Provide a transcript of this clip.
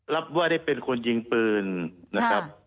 รับว่าได้เป็นคนยิงปืนนะครับ